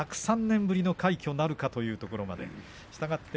１０３年ぶりの快挙なるかというところです。